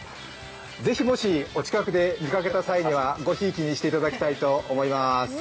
ぜひお近くで見かけた際にはごひいきにしていただきたいと思います。